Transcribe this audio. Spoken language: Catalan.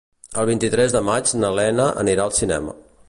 El vint-i-tres de maig na Lena anirà al cinema.